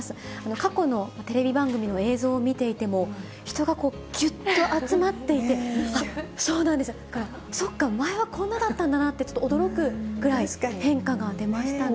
過去のテレビ番組の映像を見ていても、人がぎゅっと集まっていて、あっ、そうか、前はこんなだったなってちょっと驚くぐらい変化が出ましたね。